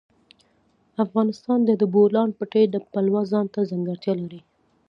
افغانستان د د بولان پټي د پلوه ځانته ځانګړتیا لري.